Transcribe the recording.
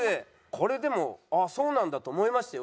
これでも「あっそうなんだ」と思いましたよ